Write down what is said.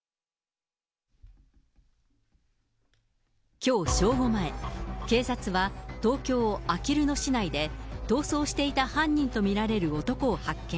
きょう正午前、警察は東京・あきる野市内で、逃走していた犯人と見られる男を発見。